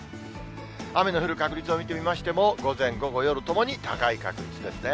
雨の降る確率を見てみましても、午前、午後、夜ともに高い確率ですね。